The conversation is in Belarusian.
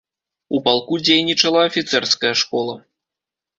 У палку дзейнічала афіцэрская школа.